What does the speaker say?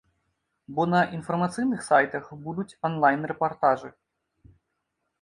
Бо на інфармацыйных сайтах будуць онлайн рэпартажы.